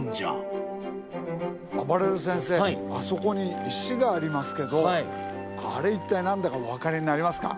あばれる先生あそこに石がありますけどあれいったい何だかお分かりになりますか？